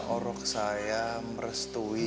orok saya merestui